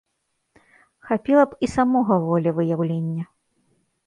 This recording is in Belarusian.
Хапіла б і самога волевыяўлення.